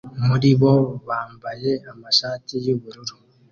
muri bo bambaye amashati yubururu